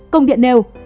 công điện nêu